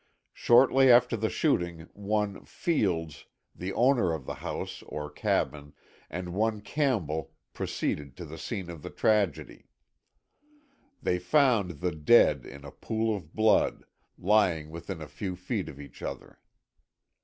Shortly after the shooting one Fields, the owner of the house or cabin, and one Campbell proceeded to the scene of the tragedy. They found the dead in a pool of blood, lying within a few feet of each other.